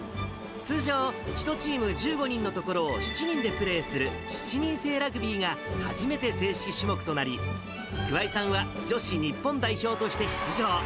通常、１チーム１５人のところを７人でプレーする７人制ラグビーが初めて正式種目となり、桑井さんは女子日本代表として出場。